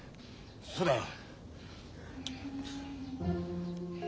そうだよ。